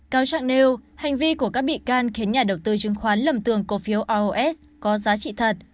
cáo trạng nêu hành vi của các bị can khiến nhà đầu tư chứng khoán lầm tường cổ phiếu os có giá trị thật